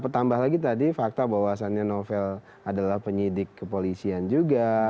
tambah lagi tadi fakta bahwasannya novel adalah penyidik kepolisian juga